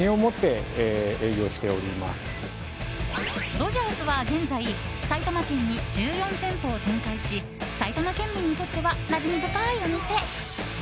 ロヂャースは現在埼玉県に１４店舗を展開し埼玉県民にとってはなじみ深いお店。